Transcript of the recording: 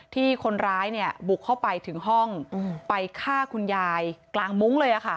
ที่คนร้ายบุกเข้าไปถึงห้องไปฆ่าคุณยายกลางมุ้งเลย